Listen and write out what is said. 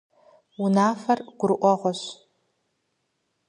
Унафэр гурыӀуэгъуэщ.